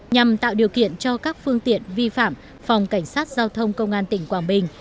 nhằm tạo điều kiện cho các phương tiện vi phạm phòng cảnh sát giao thông công an tỉnh quảng bình